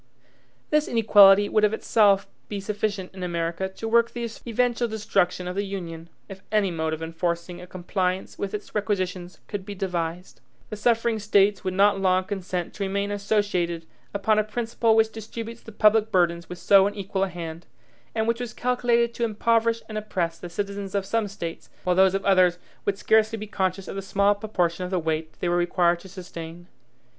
This inequality would of itself be sufficient in America to work the eventual destruction of the Union, if any mode of enforcing a compliance with its requisitions could be devised. The suffering States would not long consent to remain associated upon a principle which distributes the public burdens with so unequal a hand, and which was calculated to impoverish and oppress the citizens of some States, while those of others would scarcely be conscious of the small proportion of the weight they were required to sustain.